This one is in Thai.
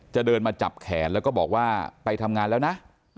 เดินมาจับแขนแล้วก็บอกว่าไปทำงานแล้วนะ